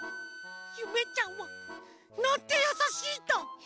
ゆめちゃんはなんてやさしいんだ。